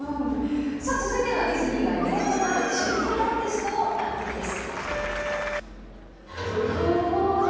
さあ続いては、ディズニーが異例となる新人アーティストを抜てきです。